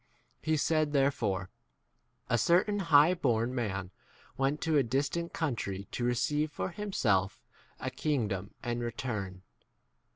He said therefore, A certain high born man went to a distant country to receive for himself a kingdom and 13 return.